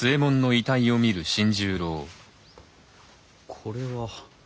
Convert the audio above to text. これは。